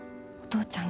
父ちゃん！